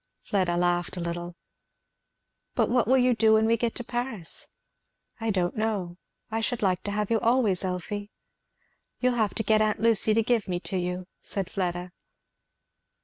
Fleda laughed a little. "But what will you do when we get to Paris?" "I don't know. I should like to have you always, Elfie." "You'll have to get aunt Lucy to give me to you," said Fleda.